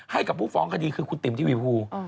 ให้กับผู้ฟ้องคดีคือคุณติ๋มทีวีภู